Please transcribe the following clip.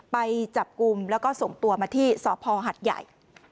ไปจับกลุ่มแล้วก็ส่งตัวมาที่สพหัดใหญ่